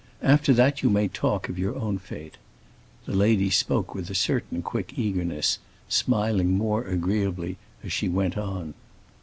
After that you may talk of your own fête." The old lady spoke with a certain quick eagerness, smiling more agreeably as she went on.